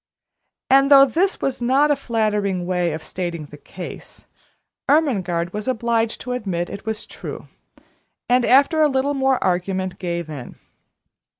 And though this was not a flattering way of stating the case, Ermengarde was obliged to admit it was true, and, after a little more argument, gave in.